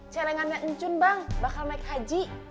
celengannya encun bang bakal naik haji